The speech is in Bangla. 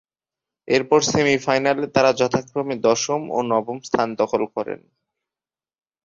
এরপর সেমি-ফাইনালে তারা যথাক্রমে দশম ও নবম স্থান দখল করেন।